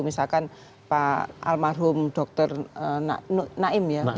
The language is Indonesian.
misalkan pak almarhum dr naim ya